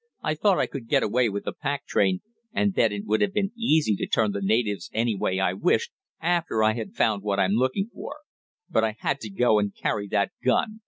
I thought I could get away with the pack train, and then it would have been easy to turn the natives any way I wished, after I had found what I'm looking for. But I had to go and carry that gun!